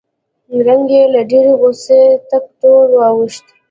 رنګ یې له ډېرې غوسې تک تور واوښت